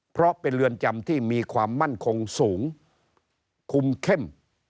เพราะเป็นเรือนจำที่มีความมั่นคงสูงคุมเข้ม